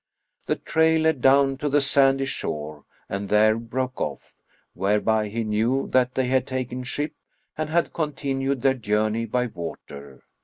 The trail led down to the sandy shore and there broke off; whereby he knew that they had taken ship and had continued their journey by water.